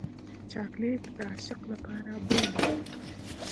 چاکلېټ د عاشق لپاره بوی لري.